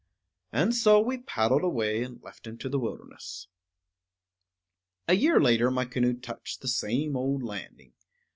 And so we paddled away and left him to the wilderness. A year later my canoe touched the same old landing.